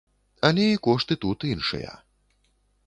Але і кошты тут іншыя.